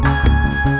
mak mau beli es krim